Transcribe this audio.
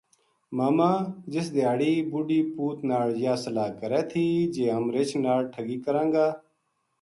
ماما ! جس دھیاڑی بڈھی پوت ناڑ یاہ صلاح کرے تھی جی ہم رچھ ناڑ ٹھگی کراں گا